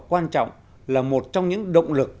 quan trọng là một trong những động lực